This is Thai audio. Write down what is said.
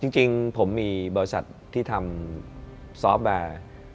จริงผมมีบริษัทที่ทำซอฟต์แอร์